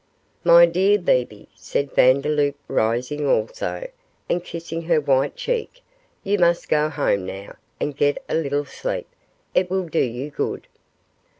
'My dear Bebe,' said Vandeloup, rising also, and kissing her white cheek, 'you must go home now, and get a little sleep; it will do you good.